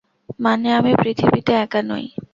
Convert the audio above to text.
মানে, আমি পৃথিবীতে একা নই।